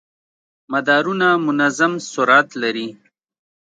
مدارونه منظم سرعت لري.